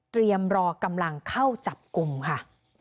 รอกำลังเข้าจับกลุ่มค่ะ